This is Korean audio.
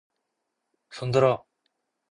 손들어!